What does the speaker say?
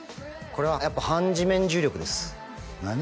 これはやっぱ反地面重力です何？